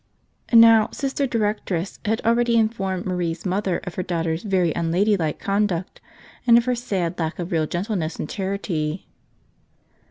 Now, Sister Directress had already informed Marie's mother of her daughter's very unladylike conduct and of her sad lack of real gentleness and charity.